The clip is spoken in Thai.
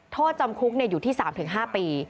โทษจำคุกอยู่ที่๓๕ปี